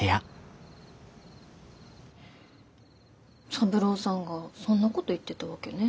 三郎さんがそんなこと言ってたわけね。